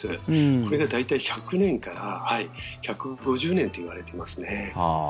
これが大体１００年から１５０年といわれてますね。